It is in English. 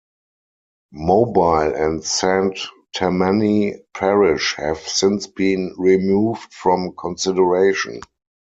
Mobile and Saint Tammany Parish have since been removed from consideration.